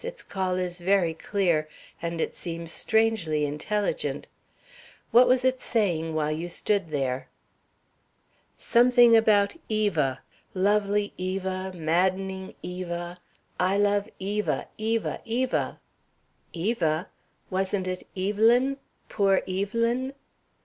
"Its call is very clear, and it seems strangely intelligent. What was it saying while you stood there?" "Something about Eva. 'Lovely Eva, maddening Eva! I love Eva! Eva! Eva!'" "Eva? Wasn't it 'Evelyn? Poor Evelyn?'"